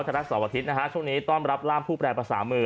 ธรรมดาสอบอาทิตย์ช่วงนี้ต้อนรับร่ามผู้แปรประสามือ